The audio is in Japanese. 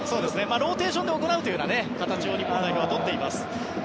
ローテーションで行う形を日本代表はとっています。